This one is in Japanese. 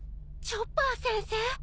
チョッパー先生？